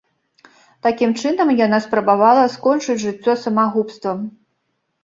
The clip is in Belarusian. Такім чынам яна спрабавала скончыць жыццё самагубствам.